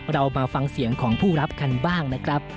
เรามาฟังเสียงของผู้รับกันบ้างนะครับ